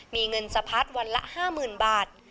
มีเงินสะพัดวันละ๕๐๐๐บาท